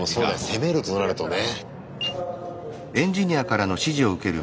攻めるとなるとね。